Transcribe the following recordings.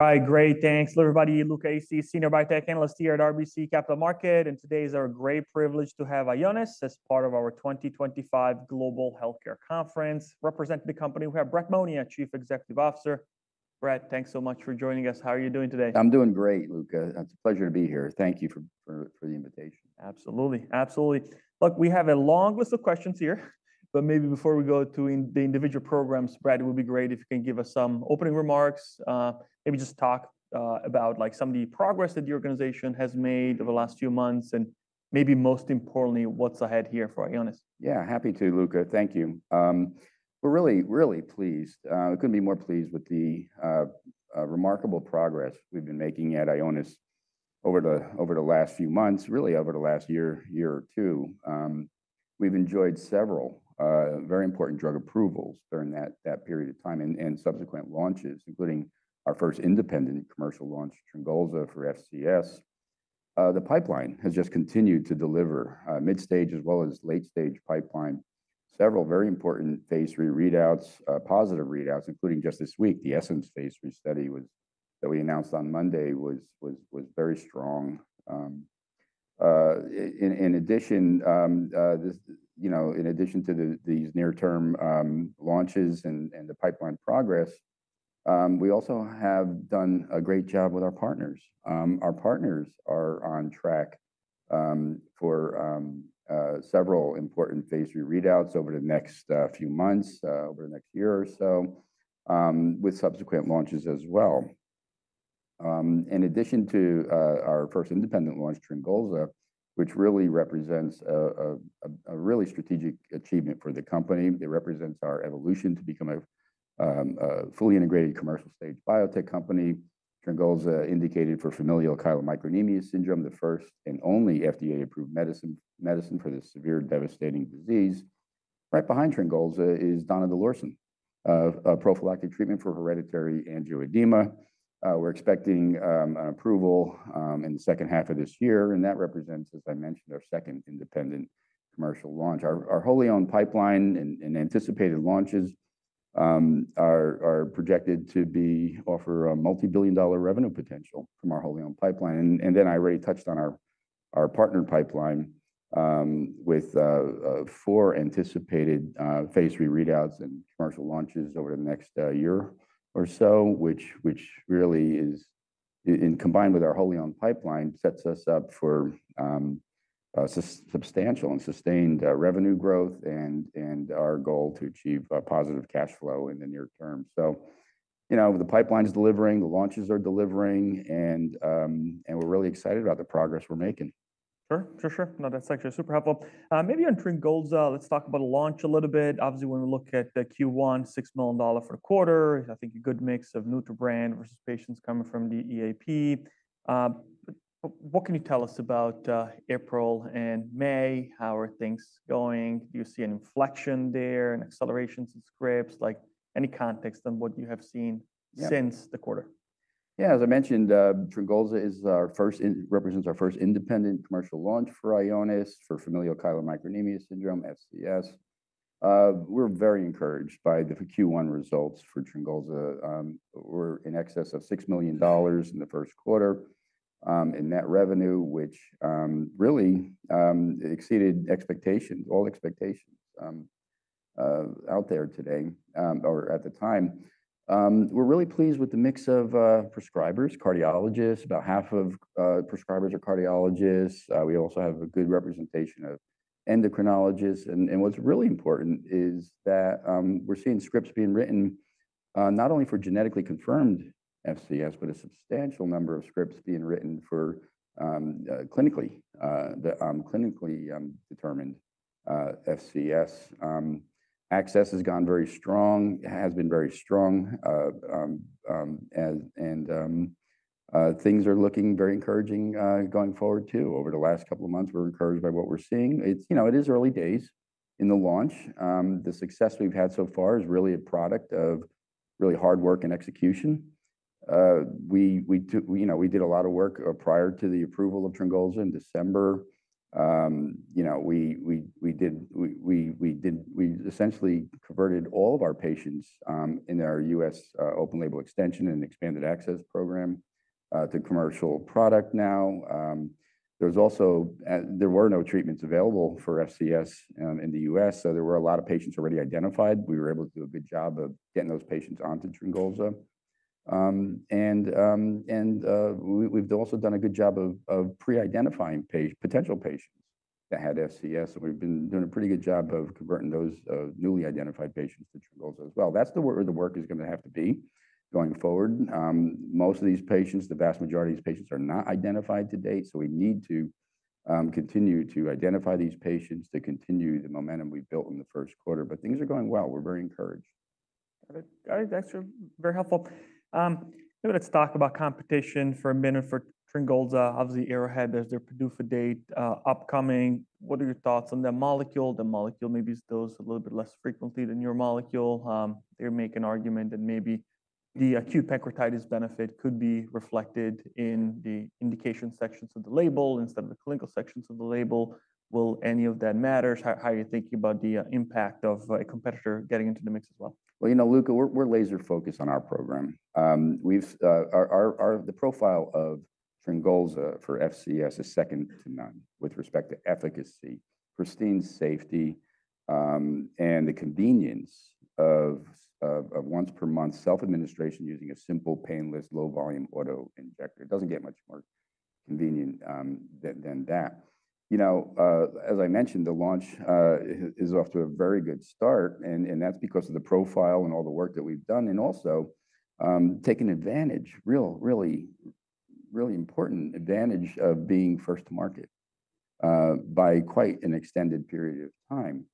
Hi, great, thanks. Hello, everybody. Luca Issi, Senior Biotech Analyst here at RBC Capital Markets. Today is our great privilege to have Ionis as part of our 2025 Global Healthcare Conference. Representing the company, we have Brett Monia, Chief Executive Officer. Brett, thanks so much for joining us. How are you doing today? I'm doing great, Luca. It's a pleasure to be here. Thank you for the invitation. Absolutely, absolutely. Look, we have a long list of questions here, but maybe before we go to the individual programs, Brett, it would be great if you can give us some opening remarks, maybe just talk about some of the progress that the organization has made over the last few months, and maybe most importantly, what's ahead here for Ionis? Yeah, happy to, Luca. Thank you. We're really, really pleased. We couldn't be more pleased with the remarkable progress we've been making at Ionis over the last few months, really over the last year or two. We've enjoyed several very important drug approvals during that period of time and subsequent launches, including our first independent commercial launch, TRYNGOLZA for FCS. The pipeline has just continued to deliver mid-stage as well as late-stage pipeline, several very important phase III readouts, positive readouts, including just this week, the Essence phase III study that we announced on Monday was very strong. In addition, you know, in addition to these near-term launches and the pipeline progress, we also have done a great job with our partners. Our partners are on track for several important phase III readouts over the next few months, over the next year or so, with subsequent launches as well. In addition to our first independent launch, TRYNGOLZA, which really represents a really strategic achievement for the company, it represents our evolution to become a fully integrated commercial stage biotech company. TRYNGOLZA indicated for Familial Chylomicronemia Syndrome, the first and only FDA-approved medicine for this severe devastating disease. Right behind TRYNGOLZA is Donidalorsen, a prophylactic treatment for hereditary angioedema. We're expecting approval in the second half of this year, and that represents, as I mentioned, our second independent commercial launch. Our wholly owned pipeline and anticipated launches are projected to offer a multi-billion dollar revenue potential from our wholly owned pipeline. I already touched on our partner pipeline with four anticipated phase III readouts and commercial launches over the next year or so, which really is, combined with our wholly owned pipeline, sets us up for substantial and sustained revenue growth and our goal to achieve positive cash flow in the near term. You know, the pipeline is delivering, the launches are delivering, and we're really excited about the progress we're making. Sure, for sure. No, that's actually super helpful. Maybe on TRYNGOLZA, let's talk about launch a little bit. Obviously, when we look at Q1, $6 million for the quarter, I think a good mix of new to brand versus patients coming from the EAP. What can you tell us about April and May? How are things going? Do you see an inflection there, an acceleration subscription, like any context on what you have seen since the quarter? Yeah, as I mentioned, TRYNGOLZA represents our first independent commercial launch for Ionis for Familial Chylomicronemia Syndrome, FCS. We're very encouraged by the Q1 results for TRYNGOLZA. We're in excess of $6 million in the first quarter in net revenue, which really exceeded expectations, all expectations out there today or at the time. We're really pleased with the mix of prescribers, cardiologists, about half of prescribers are cardiologists. We also have a good representation of endocrinologists. What's really important is that we're seeing scripts being written not only for genetically confirmed FCS, but a substantial number of scripts being written for clinically determined FCS. Access has gone very strong, has been very strong, and things are looking very encouraging going forward too. Over the last couple of months, we're encouraged by what we're seeing. You know, it is early days in the launch. The success we've had so far is really a product of really hard work and execution. We did a lot of work prior to the approval of TRYNGOLZA in December. You know, we essentially converted all of our patients in our U.S. open-label extension and expanded access program to the commercial product now. There were no treatments available for FCS in the U.S., so there were a lot of patients already identified. We were able to do a good job of getting those patients onto TRYNGOLZA. We've also done a good job of pre-identifying potential patients that had FCS, and we've been doing a pretty good job of converting those newly identified patients to TRYNGOLZA as well. That's where the work is going to have to be going forward. Most of these patients, the vast majority of these patients are not identified to date, so we need to continue to identify these patients to continue the momentum we built in the first quarter, but things are going well. We're very encouraged. Got it. Got it. Thanks. Very helpful. Let's talk about competition for a minute for TRYNGOLZA. Obviously, Arrowhead, there's their PDUFA date upcoming. What are your thoughts on the molecule? The molecule maybe dosed a little bit less frequently than your molecule. They're making argument that maybe the acute pancreatitis benefit could be reflected in the indication sections of the label instead of the clinical sections of the label. Will any of that matter? How are you thinking about the impact of a competitor getting into the mix as well? You know, Luca, we're laser-focused on our program. The profile of TRYNGOLZA for FCS is second to none with respect to efficacy, pristine safety, and the convenience of once per month self-administration using a simple, painless, low-volume auto-injector. It doesn't get much more convenient than that. You know, as I mentioned, the launch is off to a very good start, and that's because of the profile and all the work that we've done, and also taking advantage, really, really important advantage of being first to market by quite an extended period of time.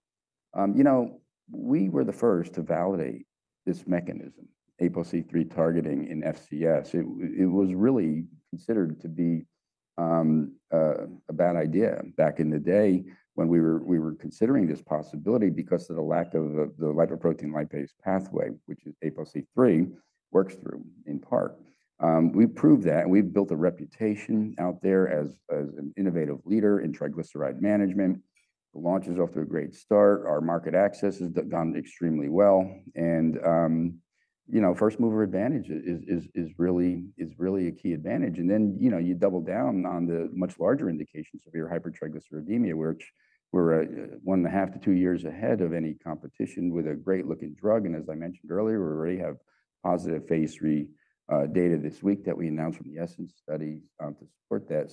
You know, we were the first to validate this mechanism, ApoC-III targeting in FCS. It was really considered to be a bad idea back in the day when we were considering this possibility because of the lack of the lipoprotein lipase pathway, which is what ApoC-III works through in part. We proved that, and we've built a reputation out there as an innovative leader in triglyceride management. The launch is off to a great start. Our market access has gone extremely well. You know, first mover advantage is really a key advantage. You double down on the much larger indications of your hypertriglyceridemia, where we're one and a half to two years ahead of any competition with a great looking drug. As I mentioned earlier, we already have positive phase III data this week that we announced from the Essence studies to support that.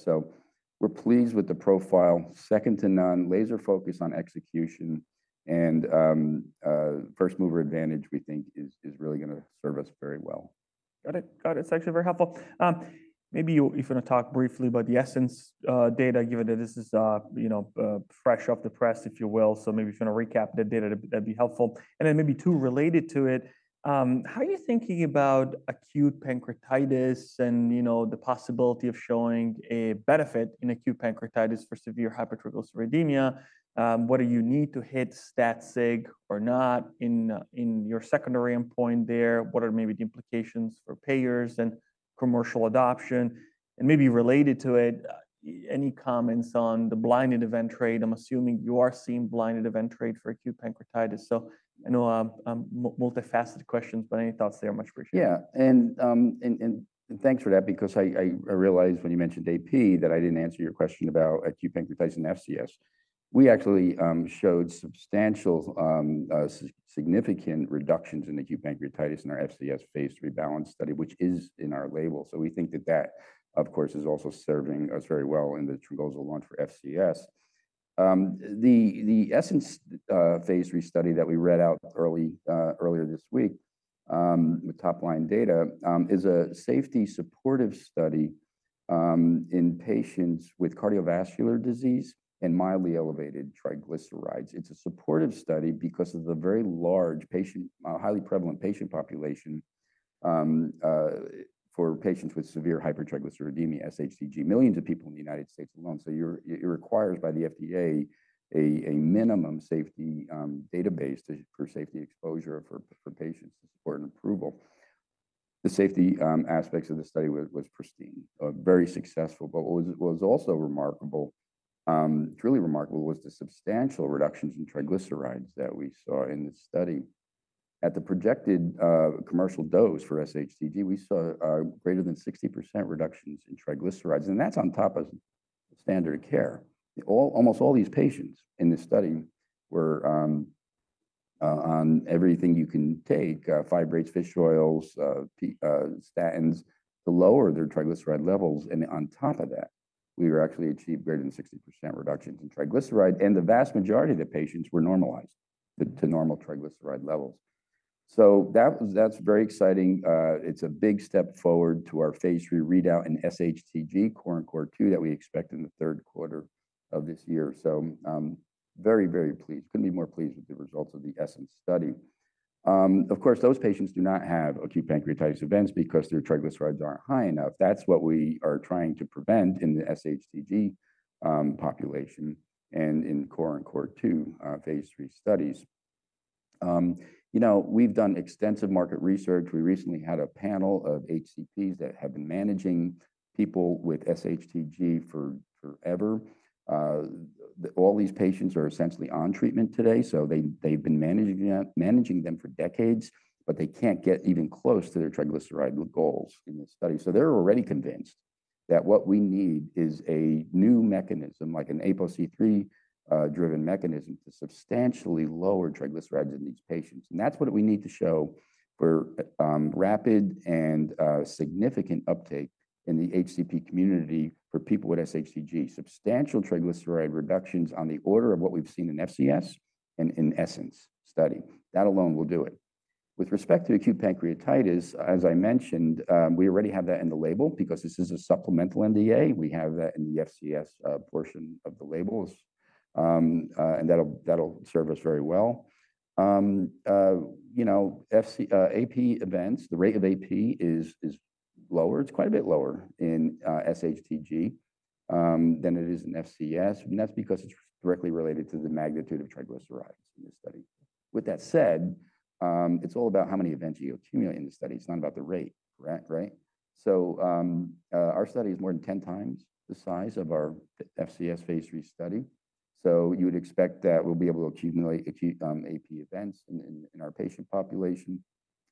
We are pleased with the profile, second to none, laser focus on execution, and first mover advantage we think is really going to serve us very well. Got it. Got it. It's actually very helpful. Maybe if you want to talk briefly about the Essence data, given that this is fresh off the press, if you will, so maybe if you want to recap the data, that'd be helpful. Maybe two related to it. How are you thinking about acute pancreatitis and the possibility of showing a benefit in acute pancreatitis for severe hypertriglyceridemia? What do you need to hit stat sHTG or not in your secondary endpoint there? What are maybe the implications for payers and commercial adoption? Maybe related to it, any comments on the blinded event rate? I'm assuming you are seeing blinded event rate for acute pancreatitis. I know multifaceted questions, but any thoughts there are much appreciated. Yeah. Thanks for that because I realized when you mentioned AP that I didn't answer your question about acute pancreatitis and FCS. We actually showed substantial, significant reductions in acute pancreatitis in our FCS phase III Balance study, which is in our label. We think that that, of course, is also serving us very well in the Tringolza launch for FCS. The Essence phase III study that we read out earlier this week with top line data is a safety supportive study in patients with cardiovascular disease and mildly elevated triglycerides. It's a supportive study because of the very large patient, highly prevalent patient population for patients with severe hypertriglyceridemia, sHTG, millions of people in the United States alone. It requires by the U.S. Food and Drug Administration a minimum safety database for safety exposure for patients to support an approval. The safety aspects of the study were pristine, very successful, but what was also remarkable, truly remarkable, was the substantial reductions in triglycerides that we saw in the study. At the projected commercial dose for sHTG, we saw greater than 60% reductions in triglycerides, and that's on top of standard care. Almost all these patients in this study were on everything you can take, fibrates, fish oils, statins, to lower their triglyceride levels. On top of that, we actually achieved greater than 60% reductions in triglycerides, and the vast majority of the patients were normalized to normal triglyceride levels. That is very exciting. It's a big step forward to our phase III readout in sHTG, core and core two that we expect in the third quarter of this year. Very, very pleased. Couldn't be more pleased with the results of the Essence study. Of course, those patients do not have acute pancreatitis events because their triglycerides aren't high enough. That's what we are trying to prevent in the sHTG population and in CORE and CORE2 phase III studies. You know, we've done extensive market research. We recently had a panel of HCPs that have been managing people with sHTG forever. All these patients are essentially on treatment today, so they've been managing them for decades, but they can't get even close to their triglyceride goals in this study. So they're already convinced that what we need is a new mechanism, like an ApoC-III driven mechanism to substantially lower triglycerides in these patients. And that's what we need to show for rapid and significant uptake in the HCP community for people with sHTG. Substantial triglyceride reductions on the order of what we've seen in FCS and in Essence study. That alone will do it. With respect to acute pancreatitis, as I mentioned, we already have that in the label because this is a supplemental NDA. We have that in the FCS portion of the labels, and that'll serve us very well. You know, AP events, the rate of AP is lower. It's quite a bit lower in sHTG than it is in FCS, and that's because it's directly related to the magnitude of triglycerides in this study. With that said, it's all about how many events you accumulate in the study. It's not about the rate, right? Our study is more than 10 times the size of our FCS phase III study. You would expect that we'll be able to accumulate AP events in our patient population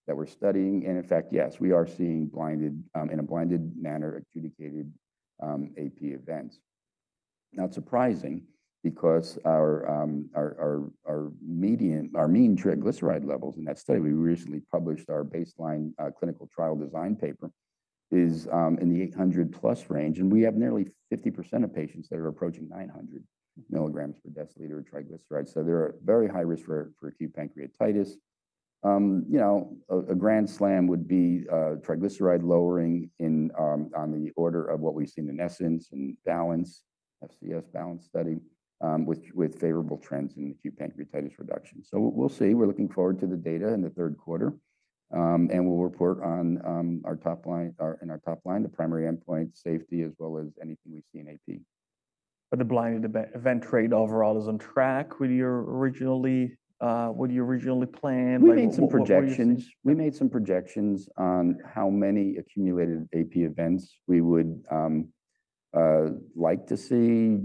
that we're studying. In fact, yes, we are seeing in a blinded manner adjudicated AP events. Not surprising because our mean triglyceride levels in that study, we recently published our baseline clinical trial design paper, is in the 800-plus range, and we have nearly 50% of patients that are approaching 900 mg per deciliter of triglycerides. You know, they are at very high risk for acute pancreatitis. You know, a grand slam would be triglyceride-lowering on the order of what we have seen in Essence and Balance, FCS Balance study, with favorable trends in acute pancreatitis reduction. We are looking forward to the data in the third quarter, and we will report on our top line, the primary endpoint safety, as well as anything we see in AP. The blinded event rate overall is on track with your originally planned projections? We made some projections on how many accumulated AP events we would like to see,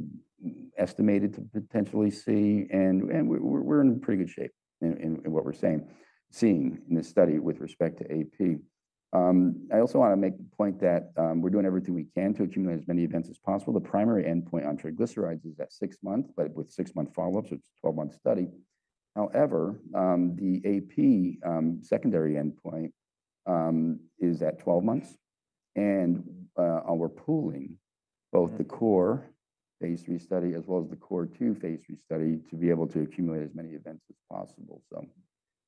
estimated to potentially see, and we're in pretty good shape in what we're seeing in this study with respect to AP. I also want to make the point that we're doing everything we can to accumulate as many events as possible. The primary endpoint on triglycerides is at six months, but with six month follow-ups, it's a 12-month study. However, the AP secondary endpoint is at 12 months, and we're pooling both the core phase III study as well as the CORE2 phase III study to be able to accumulate as many events as possible.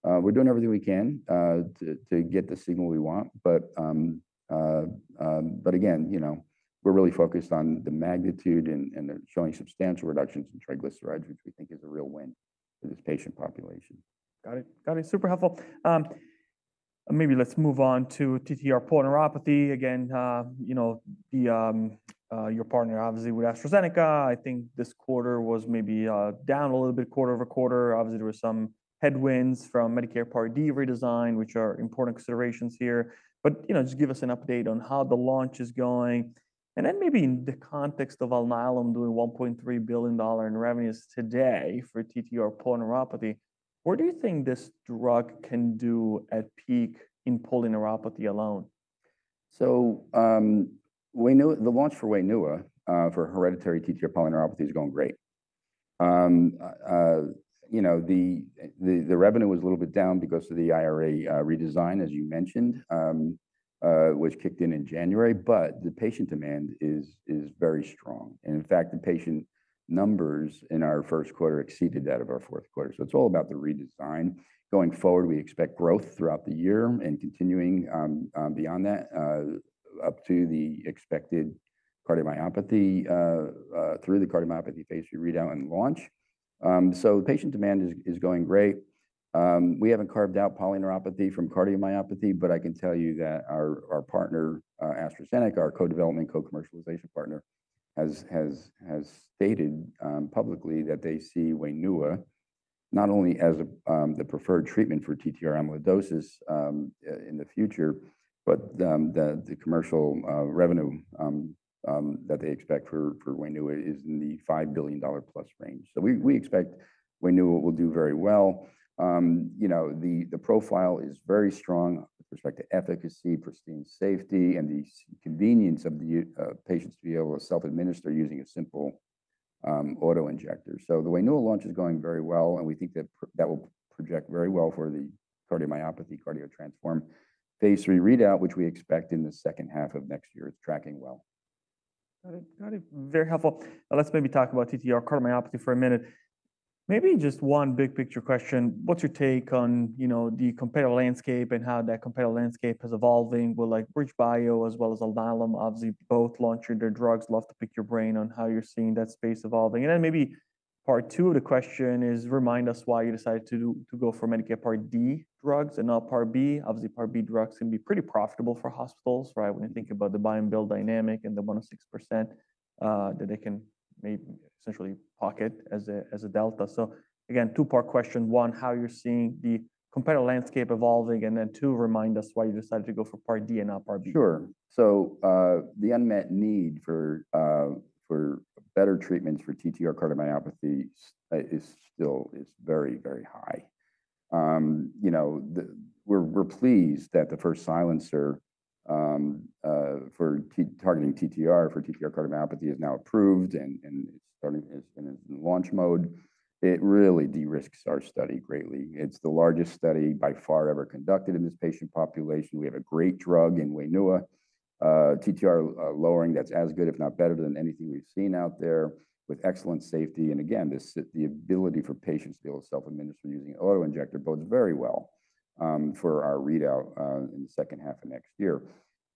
We're doing everything we can to get the signal we want, but again, you know, we're really focused on the magnitude and showing substantial reductions in triglycerides, which we think is a real win for this patient population. Got it. Got it. Super helpful. Maybe let's move on to TTR polyneuropathy. Again, you know, your partner obviously with AstraZeneca. I think this quarter was maybe down a little bit quarter-over-quarter. Obviously, there were some headwinds from Medicare Part D redesign, which are important considerations here. But, you know, just give us an update on how the launch is going. And then maybe in the context of AMVUTTRA doing $1.3 billion in revenues today for TTR polyneuropathy, what do you think this drug can do at peak in polyneuropathy alone? The launch for WAINUA for hereditary TTR polyneuropathy is going great. You know, the revenue was a little bit down because of the IRA redesign, as you mentioned, which kicked in in January, but the patient demand is very strong. In fact, the patient numbers in our first quarter exceeded that of our fourth quarter. It is all about the redesign. Going forward, we expect growth throughout the year and continuing beyond that up to the expected Cardiomyopathy through the cardiomyopathy phase III readout and launch. Patient demand is going great. We have not carved out polyneuropathy from cardiomyopathy, but I can tell you that our partner, AstraZeneca, our co-development, co-commercialization partner, has stated publicly that they see WAINUA not only as the preferred treatment for TTR amyloidosis in the future, but the commercial revenue that they expect for WAINUA is in the $5 billion-plus range. We expect WAINUA will do very well. You know, the profile is very strong with respect to efficacy, pristine safety, and the convenience of the patients to be able to self-administer using a simple auto-injector. The WAINUA launch is going very well, and we think that that will project very well for the cardiomyopathy CARDIO-TTRansform phase III readout, which we expect in the second half of next year. It's tracking well. Got it. Got it. Very helpful. Let's maybe talk about TTR cardiomyopathy for a minute. Maybe just one big picture question. What's your take on the compared landscape and how that compared landscape is evolving with like BridgeBio as well as Onaiza, obviously both launching their drugs? Love to pick your brain on how you're seeing that space evolving. And then maybe part two of the question is remind us why you decided to go for Medicare Part D drugs and not Part B. Obviously, Part B drugs can be pretty profitable for hospitals, right? When you think about the buy and build dynamic and the 106% that they can maybe essentially pocket as a delta. So again, two-part question. One, how you're seeing the compared landscape evolving, and then two, remind us why you decided to go for Part D and not Part B. Sure. The unmet need for better treatments for TTR cardiomyopathy is still very, very high. You know, we're pleased that the first silencer for targeting TTR for TTR cardiomyopathy is now approved and is in launch mode. It really de-risks our study greatly. It's the largest study by far ever conducted in this patient population. We have a great drug in WAINUA, TTR lowering that's as good, if not better than anything we've seen out there with excellent safety. Again, the ability for patients to be able to self-administer using auto-injector bodes very well for our readout in the second half of next year.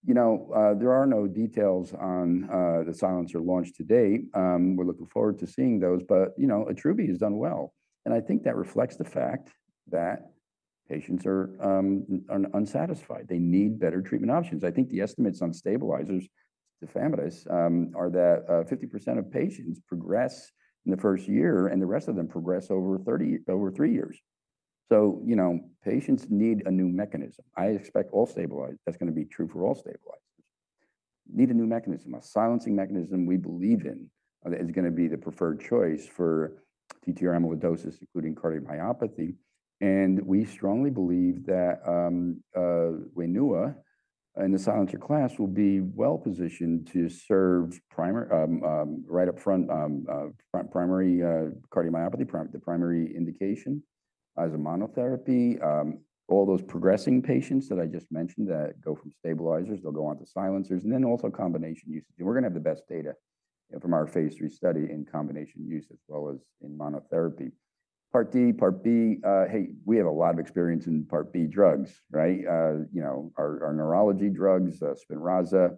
You know, there are no details on the silencer launch today. We're looking forward to seeing those, but you know, AMVUTTRA has done well. I think that reflects the fact that patients are unsatisfied. They need better treatment options. I think the estimates on stabilizers, the famous, are that 50% of patients progress in the first year and the rest of them progress over three years. You know, patients need a new mechanism. I expect all stabilizers, that's going to be true for all stabilizers, need a new mechanism, a silencing mechanism we believe in that is going to be the preferred choice for TTR amyloidosis, including cardiomyopathy. We strongly believe that WAINUA in the silencer class will be well positioned to serve right up front primary cardiomyopathy, the primary indication as a monotherapy. All those progressing patients that I just mentioned that go from stabilizers, they'll go on to silencers, and then also combination usage. We're going to have the best data from our phase III study in combination use as well as in monotherapy. Part D, Part B, hey, we have a lot of experience in Part B drugs, right? You know, our neurology drugs, SPINRAZA,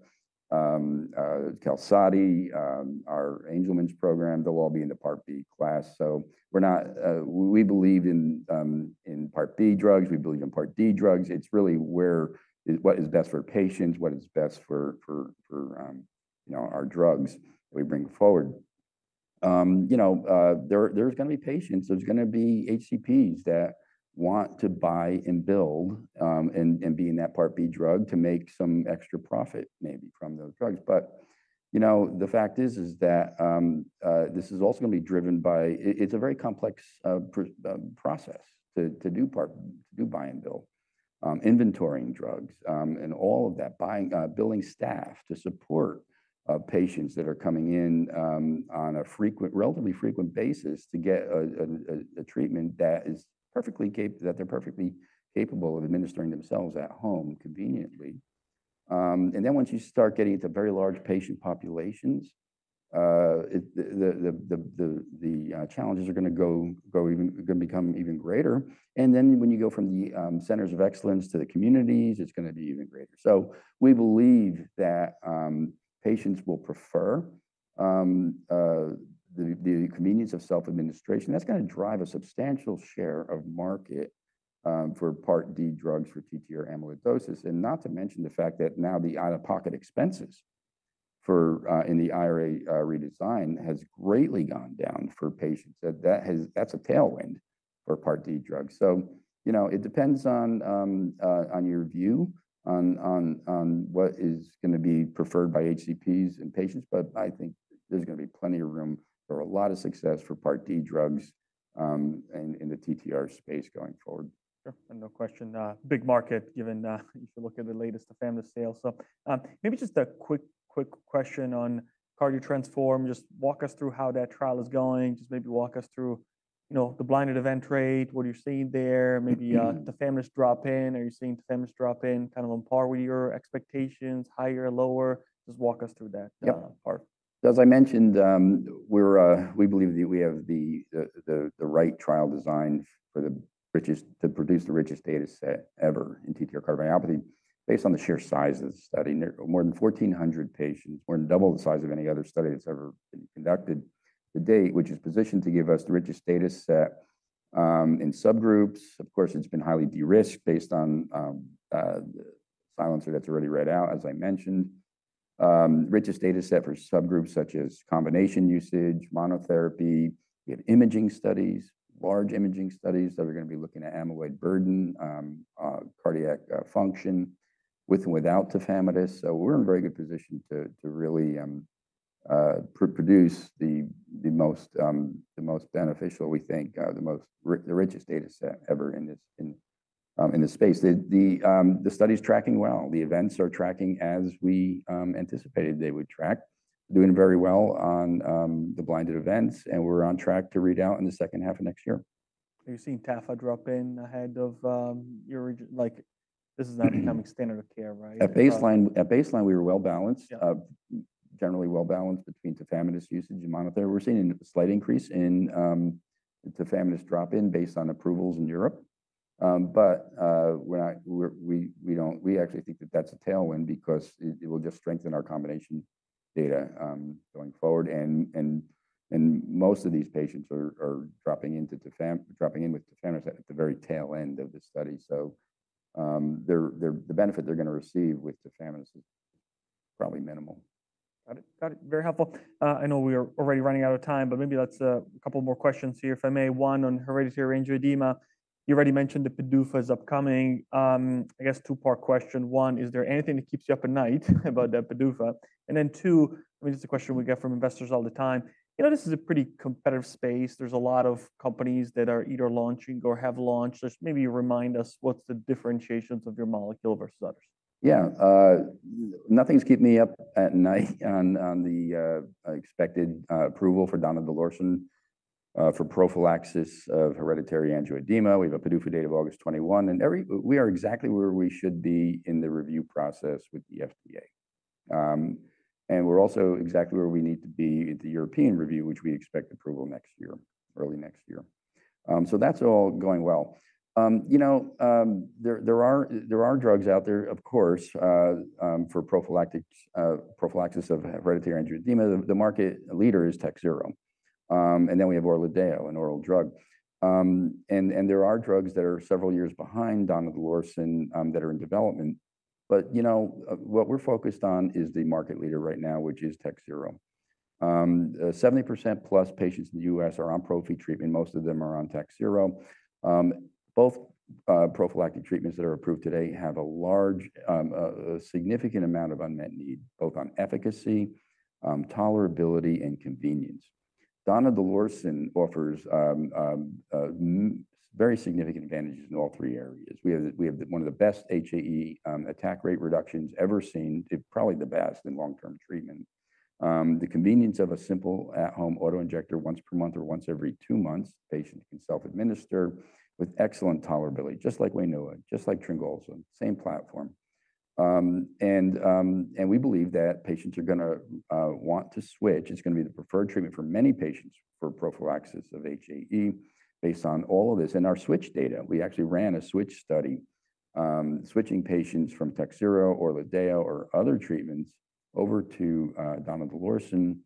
Qalsody, our Angelman's program, they'll all be in the Part B class. So we believe in Part B drugs, we believe in Part D drugs. It's really what is best for patients, what is best for our drugs that we bring forward. You know, there's going to be patients, there's going to be HCPs that want to buy and build and be in that Part B drug to make some extra profit maybe from those drugs. You know, the fact is that this is also going to be driven by, it's a very complex process to do buy and build, inventorying drugs and all of that, building staff to support patients that are coming in on a relatively frequent basis to get a treatment that is perfectly capable, that they're perfectly capable of administering themselves at home conveniently. Once you start getting into very large patient populations, the challenges are going to become even greater. When you go from the centers of excellence to the communities, it's going to be even greater. We believe that patients will prefer the convenience of self-administration. That's going to drive a substantial share of market for Part D drugs for TTR amyloidosis. Not to mention the fact that now the out-of-pocket expenses in the IRA redesign has greatly gone down for patients. That is a tailwind for Part D drugs. You know, it depends on your view on what is going to be preferred by HCPs and patients, but I think there is going to be plenty of room for a lot of success for Part D drugs in the TTR space going forward. Sure. No question. Big market given if you look at the latest famous sale. Maybe just a quick question on CARDIO-TTRansform, just walk us through how that trial is going. Maybe walk us through, you know, the blinded event rate, what are you seeing there? Maybe the famous drop-in, are you seeing the famous drop-in kind of on par with your expectations, higher, lower? Just walk us through that part. As I mentioned, we believe that we have the right trial design to produce the richest data set ever in TTR cardiomyopathy based on the sheer size of the study. More than 1,400 patients, more than double the size of any other study that's ever been conducted to date, which is positioned to give us the richest data set in subgroups. Of course, it's been highly de-risked based on the silencer that's already read out, as I mentioned. Richest data set for subgroups such as combination usage, monotherapy, we have imaging studies, large imaging studies that are going to be looking at amyloid burden, cardiac function with and without Tafamidis. We are in very good position to really produce the most beneficial, we think, the richest data set ever in this space. The study is tracking well. The events are tracking as we anticipated they would track. Doing very well on the blinded events and we're on track to read out in the second half of next year. Are you seeing Tafamidis drop in ahead of your, like this is now becoming standard of care, right? At baseline, we were well balanced, generally well balanced between Tafamidis usage and monotherapy. We're seeing a slight increase in Tafamidis drop-in based on approvals in Europe. We actually think that that's a tailwind because it will just strengthen our combination data going forward. Most of these patients are dropping in with Tafamidis at the very tail end of the study. The benefit they're going to receive with Tafamidis is probably minimal. Got it. Got it. Very helpful. I know we are already running out of time, but maybe that's a couple more questions here, if I may. One on hereditary angioedema. You already mentioned the PDUFA is upcoming. I guess two-part question. One, is there anything that keeps you up at night about that PDUFA? And then two, I mean, it's a question we get from investors all the time. You know, this is a pretty competitive space. There's a lot of companies that are either launching or have launched. Just maybe remind us what's the differentiations of your molecule versus others. Yeah. Nothing's keeping me up at night on the expected approval for Donidalorsen for prophylaxis of hereditary angioedema. We have a PDUFA date of August 21. We are exactly where we should be in the review process with the FDA. We are also exactly where we need to be in the European review, which we expect approval next year, early next year. That's all going well. You know, there are drugs out there, of course, for prophylaxis of hereditary angioedema. The market leader is Takhzyro. Then we have Orladeyo, an oral drug. There are drugs that are several years behind donidalorsen that are in development. You know, what we're focused on is the market leader right now, which is Takhzyro. 70% plus patients in the US are on prophylactic treatment. Most of them are on Takhzyro. Both prophylactic treatments that are approved today have a large, significant amount of unmet need, both on efficacy, tolerability, and convenience. Donidalorsen offers very significant advantages in all three areas. We have one of the best HAE attack rate reductions ever seen, probably the best in long-term treatment. The convenience of a simple at-home auto-injector once per month or once every two months, patient can self-administer with excellent tolerability, just like WAINUA, just like Olezarsen, same platform. We believe that patients are going to want to switch. It is going to be the preferred treatment for many patients for prophylaxis of HAE based on all of this. Our switch data, we actually ran a switch study, switching patients from Takhzyro, Orladeyo, or other treatments over to Donidalorsen.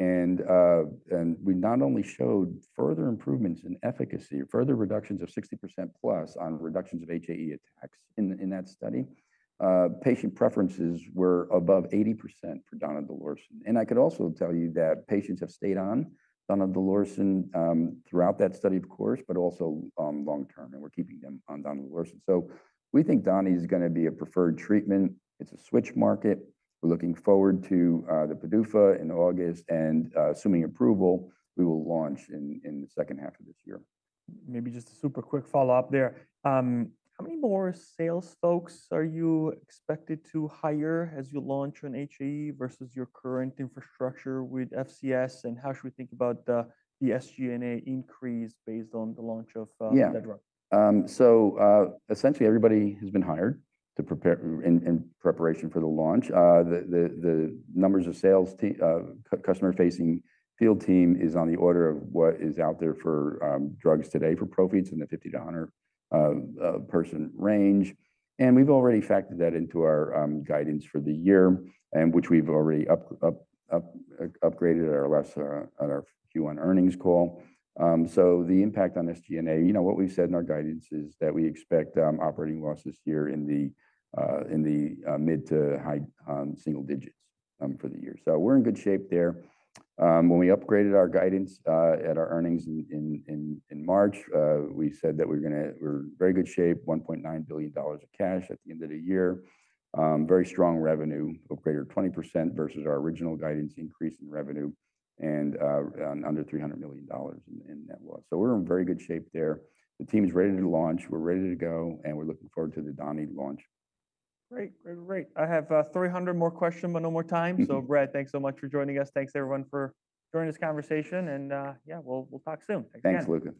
We not only showed further improvements in efficacy, further reductions of 60% plus on reductions of HAE attacks in that study. Patient preferences were above 80% for Donidalorsen. I could also tell you that patients have stayed on Donidalorsen throughout that study, of course, but also long-term. We are keeping them on Donidalorsen. We think Doni is going to be a preferred treatment. It is a switch market. We are looking forward to the PDUFA in August. Assuming approval, we will launch in the second half of this year. Maybe just a super quick follow-up there. How many more sales folks are you expected to hire as you launch an HAE versus your current infrastructure with FCS? How should we think about the SG&A increase based on the launch of that drug? Yeah. So essentially everybody has been hired in preparation for the launch. The numbers of sales customer-facing field team is on the order of what is out there for drugs today for Profi in the 50-100 person range. And we've already factored that into our guidance for the year, which we've already upgraded at our Q1 earnings call. The impact on SG&A, you know, what we've said in our guidance is that we expect operating loss this year in the mid to high single digits for the year. We're in good shape there. When we upgraded our guidance at our earnings in March, we said that we're going to, we're in very good shape, $1.9 billion of cash at the end of the year, very strong revenue, greater 20% versus our original guidance increase in revenue and under $300 million in net worth. We're in very good shape there. The team's ready to launch. We're ready to go. We're looking forward to the donidalorsen launch. Great. I have 300 more questions, but no more time. Brett, thanks so much for joining us. Thanks everyone for joining this conversation. Yeah, we'll talk soon. Thanks, Luke.